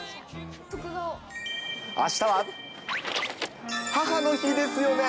あしたは母の日ですよね。